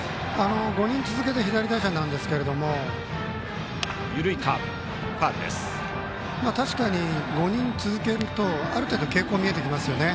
５人続けて左打者ですが確かに５人続けるとある程度傾向が見えてきますよね。